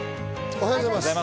おはようございます。